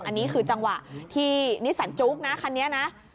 อันนี้คือจังหวะที่นิสสันจุ๊กนะคันนี้นะ